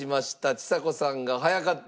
ちさ子さんが早かった。